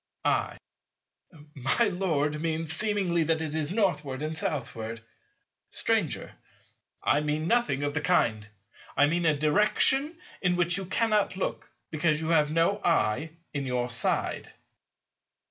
I. My Lord means seemingly that it is Northward and Southward. Stranger. I mean nothing of the kind. I mean a direction in which you cannot look, because you have no eye in your side.